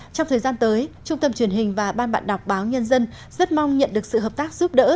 trong thời gian tới trung tâm truyền hình và ban bạn đọc báo nhân dân rất mong nhận được sự hợp tác giúp đỡ